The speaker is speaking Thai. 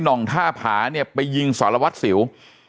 ่องท่าผาเนี่ยไปยิงสารวัตรสิว